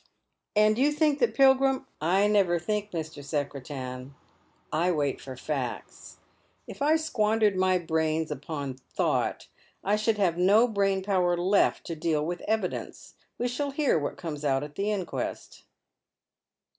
'* "And you think that Pilgi im "'• I never think, Mr. Secretan ; I wait for facts. If I squandered my brains upon thought I should have no brain power left to deal with evidence. We shall hear what comes out at the inquest."